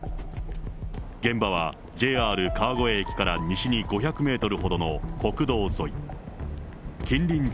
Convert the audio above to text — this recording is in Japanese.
現場はＪＲ川越駅から西に５００メートルほどの国道沿い。